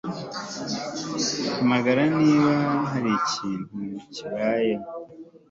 Hamagara niba hari ikintu kibaye